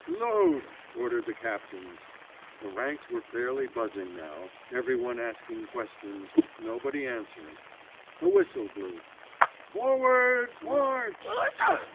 "Load!" ordered the captains. The ranks were fairly buzzing now, everyone asking questions, nobody answering. A whistle blew. "_Forward, march!